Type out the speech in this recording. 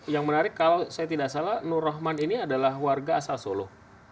yang menarik kalau saya tidak salah nur rahman ini adalah warga asal solo